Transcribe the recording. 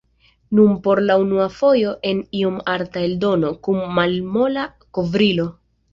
Nun por la unua fojo en iom arta eldono, kun malmola kovrilo.